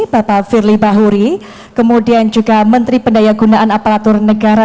bapak firly bahuri kemudian juga menteri pendayagunaan apalatur negara